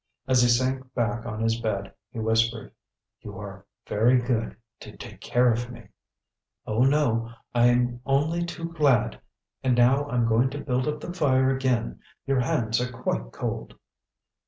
As he sank back on his bed he whispered: "You are very good to take care of me." "Oh, no; I'm only too glad! And now I'm going to build up the fire again; your hands are quite cold."